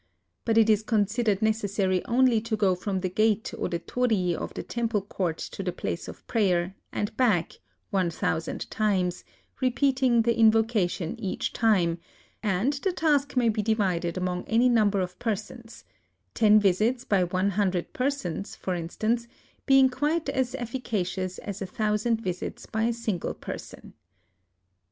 But it is considered necessary only to go from the gate or the torii of the temple court to the place of prayer, and back, one thousand times, repeating the invocation each time ; and the task may be divided among any number of persons, — ten visits by one hundred persons, for instance, being quite as efficacious as a thousand visits by a single person.